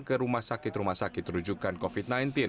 ke rumah sakit rumah sakit rujukan covid sembilan belas